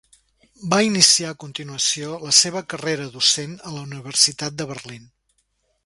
Va iniciar a continuació la seva carrera docent a la Universitat de Berlín.